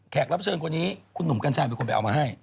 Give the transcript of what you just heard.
รับเชิญคนนี้คุณหนุ่มกัญชัยเป็นคนไปเอามาให้